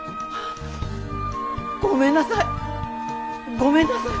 ごめんなさい。